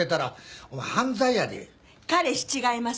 彼氏違います。